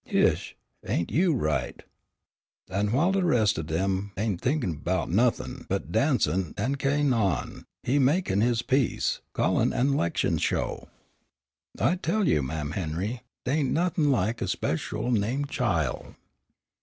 "Heish, ain't you right!" "An' while de res' of dem ain' thinkin' 'bout nothin' but dancin' an' ca'in' on, he makin' his peace, callin', an' 'lection sho'." "I tell you, Mam' Henry, dey ain' nothin' like a spichul named chile."